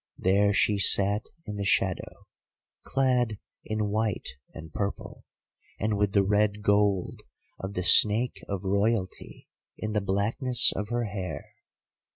There she sat in the shadow, clad in white and purple, and with the red gold of the snake of royalty in the blackness of her hair.